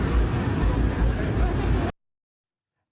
ก็ลงมาก็ลงไปจมน้ำ